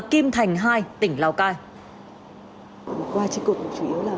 để dân dân ngủ yên trí quá